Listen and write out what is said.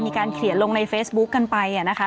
มีการเขียนลงในเฟซบุ๊คกันไปนะคะ